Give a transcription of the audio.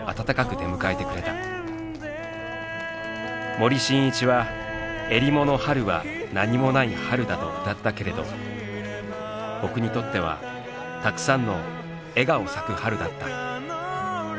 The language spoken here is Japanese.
森進一は「襟裳の春は何もない春」だと歌ったけれど「僕」にとってはたくさんの笑顔咲く春だった。